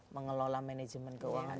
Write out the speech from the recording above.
mengelola manajemen keuangan